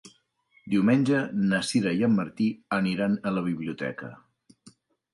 Diumenge na Sira i en Martí aniran a la biblioteca.